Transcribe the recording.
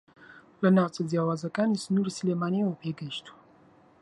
لە ناوچە جیاوازەکانی سنووری سلێمانییەوە پێگەیشتووە